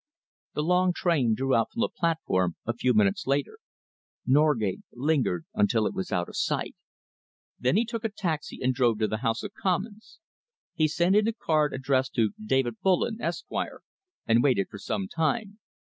The long train drew out from the platform a few minutes later. Norgate lingered until it was out of sight. Then he took a taxi and drove to the House of Commons. He sent in a card addressed to David Bullen, Esq., and waited for some time.